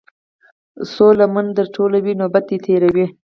څــــو لمـــن در ټولـــوې نوبت دې تېر وي.